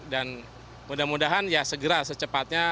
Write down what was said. dan mudah mudahan ya segera secepatnya